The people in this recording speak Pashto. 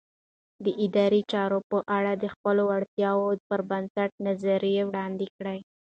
د ادارې چارو په اړه د خپلو وړتیاوو پر بنسټ نظریه وړاندې کړئ.